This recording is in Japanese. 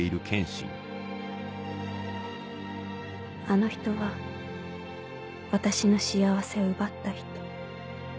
「あの人は私の幸せを奪った人。